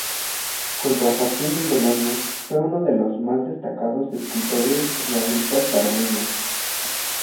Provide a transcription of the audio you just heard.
Junto a Joaquín Beleño fue uno de los más destacados escritores realistas panameños.